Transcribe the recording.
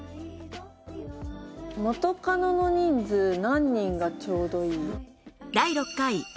元カノの人数何人がちょうどいい？